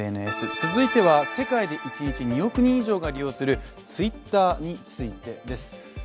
続いては、世界で一日２億人以上が利用するＴｗｉｔｔｅｒについてです。